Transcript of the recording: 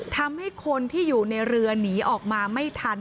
ทำให้คนที่อยู่ในเรือหนีออกมาไม่ทัน